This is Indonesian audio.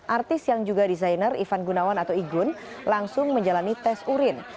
artis yang juga desainer ivan gunawan atau igun langsung menjalani tes urin